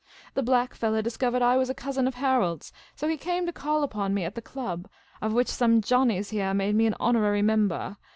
" The black fellah discovahed I was a cousin of Harold's, so he came to call upon me at the club, of which some Johnnies heali made me an honorary niembah.